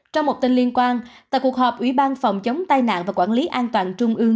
trong một tin liên quan tại cuộc họp ủy ban phòng chống tai nạn và quản lý an toàn trung ương